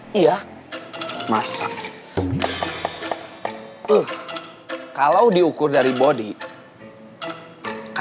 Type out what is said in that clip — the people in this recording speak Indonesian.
kita mulai sama temen temen dari di deket